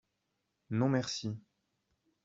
Non merci.